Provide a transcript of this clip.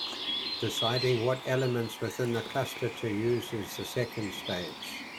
Deciding what elements within the cluster to use is the second stage.